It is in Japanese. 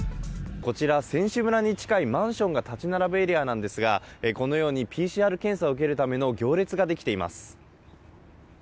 こちら、選手村に近いマンションが建ち並ぶエリアなんですが、このように、ＰＣＲ検査を受けるための行列が出来ています。